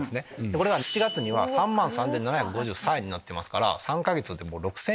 これが７月には３万３７５３円になってますから。